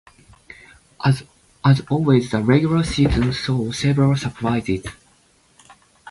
As always, the regular season saw several surprises.